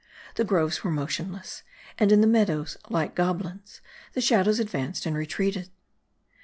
The groves were motionless ; and in the meadows, like goblins, the shadows advanced and retreated.